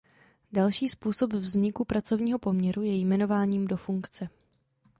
Další způsob vzniku pracovního poměru je jmenováním do funkce.